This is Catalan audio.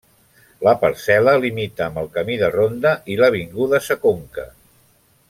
La parcel·la limita amb el camí de ronda i l'avinguda Sa Conca.